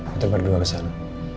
kita berdua ke sana